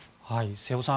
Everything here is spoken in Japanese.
瀬尾さん